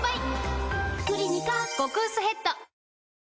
「クリニカ」極薄ヘッド